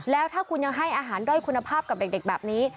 แล้วถ้าคุณยังให้อาหารด้อยคุณภาพกับเด็กแบบนี้